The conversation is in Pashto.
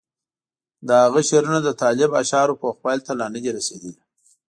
د هغه شعرونه د طالب اشعارو پوخوالي ته لا نه دي رسېدلي.